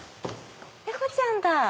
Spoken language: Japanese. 猫ちゃんだ。